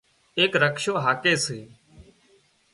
ايڪ رڪشو هاڪي سي